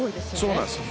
そうなんです。